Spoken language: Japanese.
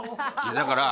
だから。